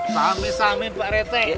sama sama pak rt